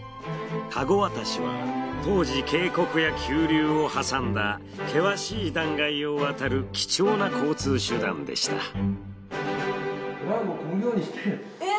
籠渡しは当時渓谷や急流を挟んだ険しい断崖を渡る貴重な交通手段でした。